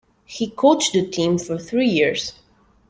He coached the team for three years.